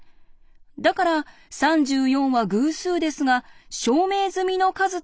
だから３４は偶数ですが証明済みの数とは言えません。